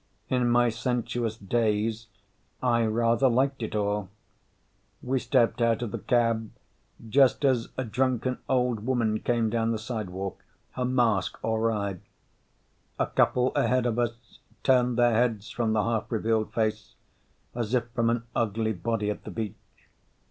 In my sensuous daze I rather liked it all. We stepped out of the cab just as a drunken old woman came down the sidewalk, her mask awry. A couple ahead of us turned their heads from the half revealed face, as if from an ugly body at the beach.